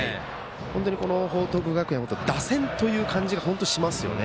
本当に報徳学園打線という感じがしますよね。